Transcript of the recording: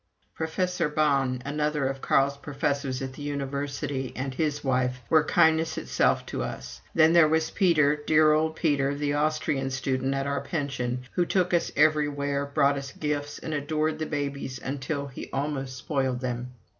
Professor Bonn, another of Carl's professors at the University, and his wife, were kindness itself to us. Then there was Peter, dear old Peter, the Austrian student at our pension, who took us everywhere, brought us gifts, and adored the babies until he almost spoiled them.